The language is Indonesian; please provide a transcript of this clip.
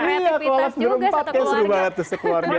iya kalau ada berempat kan seru banget tuh sekeluarga